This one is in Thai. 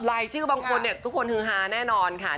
รายชื่อบางคนเนี่ยทุกคนฮือฮาแน่นอนค่ะ